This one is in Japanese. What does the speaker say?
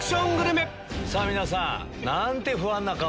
さぁ皆さん。